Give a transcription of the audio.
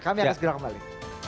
kami akan segera kembali